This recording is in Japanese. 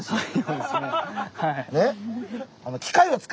はい。